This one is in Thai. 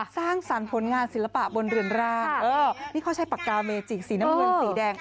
สร้างสรรค์ผลงานศิลปะบนเรือนร่างนี่เขาใช้ปากกาเมจิกสีน้ำเงินสีแดง